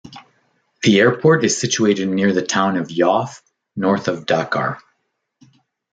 The airport is situated near the town of Yoff, north of Dakar.